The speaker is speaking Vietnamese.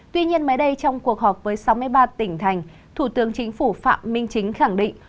tuy nhiên mới đây trong cuộc họp với sáu mươi ba tỉnh thành thủ tướng chính phủ phạm minh chính khẳng định